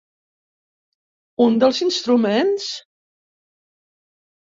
Un dels instruments?